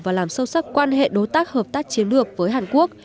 và làm sâu sắc quan hệ đối tác hợp tác chiến lược với hàn quốc